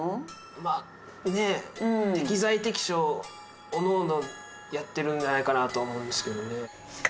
まあねえ適材適所おのおのやってるんじゃないかなと思うんですけどね。